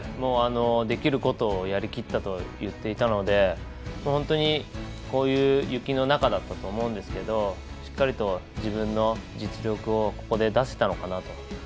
できることをやりきったと言っていたので本当にこういう雪の中だったと思いますがしっかりと自分の実力をここで出せたのかなと。